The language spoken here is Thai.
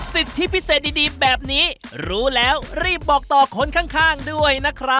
สิทธิพิเศษดีแบบนี้รู้แล้วรีบบอกต่อคนข้างด้วยนะครับ